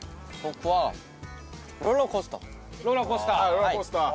ローラーコースター？